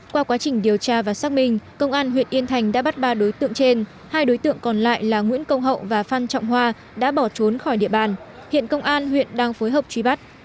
qua quá trình điều tra và xác minh công an huyện yên thành đã bắt ba đối tượng trên hai đối tượng còn lại là nguyễn công hậu và phan trọng hoa đã bỏ trốn khỏi địa bàn hiện công an huyện đang phối hợp truy bắt